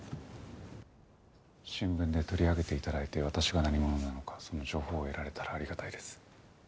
新聞で取り上げて頂いて私が何者なのかその情報を得られたらありがたいです。